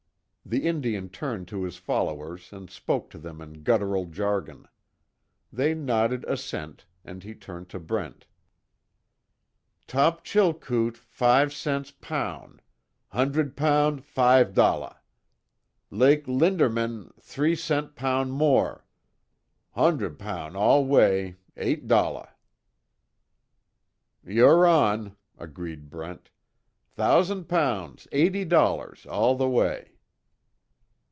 The Indian turned to his followers and spoke to them in guttural jargon. They nodded assent, and he turned to Brent: "Top Chilkoot fi' cent poun' hondre poun', fi' dolla. Lak Lindermann, three cent poun' mor' hondre poun' all way, eight dolla." "You're on!" agreed Brent, "Thousand pounds, eighty dollars all the way."